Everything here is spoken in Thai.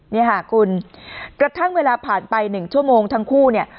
นี่ค่ะคุณกระทั่งเวลาผ่านไป๑ชั่วโมงทั้งคู่เนี่ย